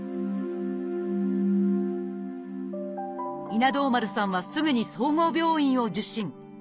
稲童丸さんはすぐに総合病院を受診。